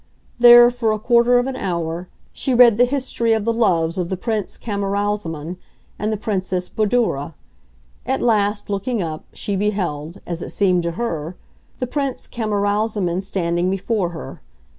There, for a quarter of an hour, she read the history of the loves of the Prince Camaralzaman and the Princess Badoura. At last, looking up, she beheld, as it seemed to her, the Prince Camaralzaman standing before her.